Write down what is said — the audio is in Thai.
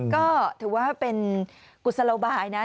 ก็ถือว่าเป็นกุศโลบายนะ